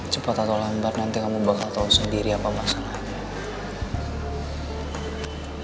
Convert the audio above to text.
cepat atau lambat nanti kamu bakal tahu sendiri apa masalahnya